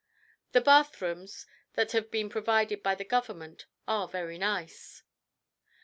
The bathrooms that have been provided by the Government are very nice.